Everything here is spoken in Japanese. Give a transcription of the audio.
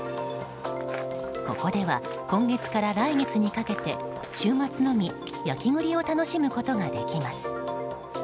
ここでは今月から来月にかけて週末のみ焼き栗を楽しむことができます。